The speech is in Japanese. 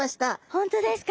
本当ですか？